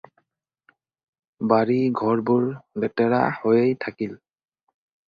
বাৰী-ঘৰবোৰ লেতেৰা হৈয়েই থাকিল।